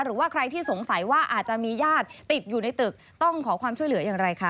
หรือว่าใครที่สงสัยว่าอาจจะมีญาติติดอยู่ในตึกต้องขอความช่วยเหลืออย่างไรคะ